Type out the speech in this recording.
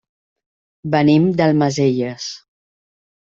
Venim d'Almacelles.